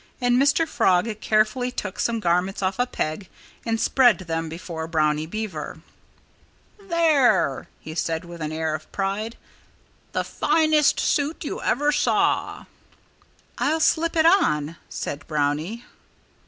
And Mr. Frog carefully took some garments off a peg and spread them before Brownie Beaver. "There!" he said with an air of pride. "The finest suit you ever saw!" "I'll slip it on," said Brownie.